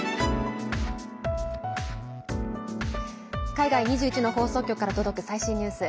海外２１の放送局から届く最新ニュース。